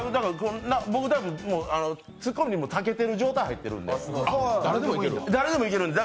僕多分、ツッコミがたけてる状態に入ってるんで、誰でもいけるんで。